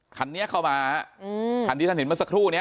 คันนี้เข้ามาคันที่ท่านเห็นเมื่อสักครู่นี้